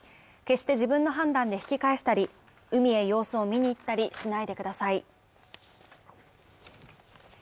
決して自分の判断で引き返したり、海へ様子を見に行ったりしないでください。